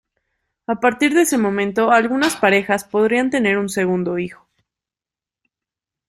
A partir de ese momento, algunas parejas podrían tener un segundo hijo.